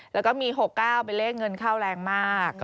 แล้วก็มี๖๙เป็นเลขเงินเข้าแรงมาก